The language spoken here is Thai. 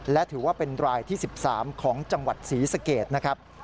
และถือว่าเป็นรายที่๑๓ของจังหวัดศรีสเกตนะครับ